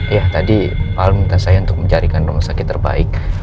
iya tadi pakal minta saya untuk mencarikan rumah sakit terbaik